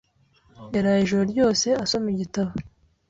Yaraye ijoro ryose asoma igitabo.